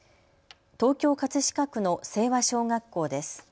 東京葛飾区の清和小学校です。